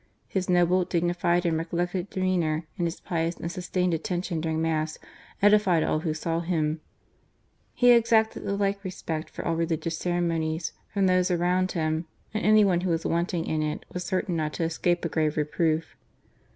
His noble, dignified, and recollected demeanour, and his pious and sustained attention during Mass edified all who saw him. He exacted the like respect for all religious ceremonies from those around him, and anj one who was wanting in it was certain not to escape a grave reproof.